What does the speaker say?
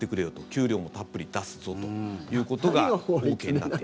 給料もたっぷり出すぞということがＯＫになっている。